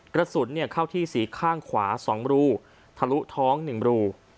กระสุนเข้าที่สีข้างขวา๒รูทะลุท้อง๑รู